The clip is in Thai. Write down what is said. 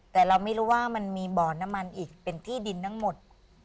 แต่เราไม่รู้ว่ามันมีบ่อน้ำมันอีกเป็นที่ดินทั้งหมด